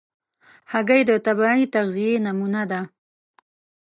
هګۍ د طبیعي تغذیې نمونه ده.